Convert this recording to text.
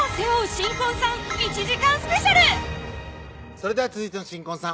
それでは続いての新婚さん